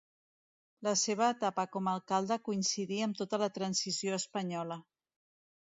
La seva etapa com a alcalde coincidí amb tota la transició espanyola.